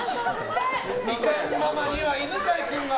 みかんママには犬飼君が。